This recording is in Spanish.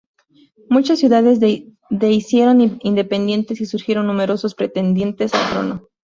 Muchas ciudades de hicieron independientes y surgieron numerosos pretendientes al trono.